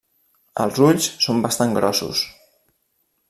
Els ulls són bastant grossos.